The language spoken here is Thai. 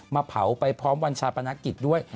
มาเผาไปพร้อมวันชาปนกิจด้วย